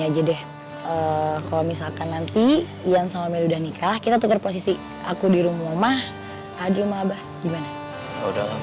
aja deh kalau misalkan nanti ian sama meli udah nikah kita tukar posisi aku di rumah abah gimana